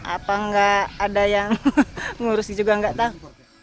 apa enggak ada yang ngurus juga enggak tahu